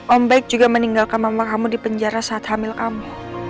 ombek juga meninggalkan mama kamu di penjara saat hamil kamu